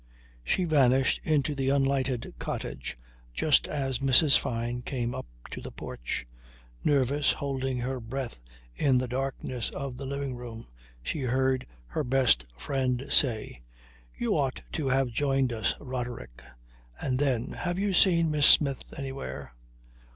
She vanished into the unlighted cottage just as Mrs. Fyne came up to the porch. Nervous, holding her breath in the darkness of the living room, she heard her best friend say: "You ought to have joined us, Roderick." And then: "Have you seen Miss Smith anywhere?"